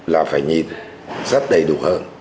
là phải nhìn rất đầy đủ hơn